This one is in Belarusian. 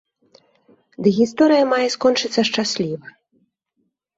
Ды гісторыя мае скончыцца шчасліва.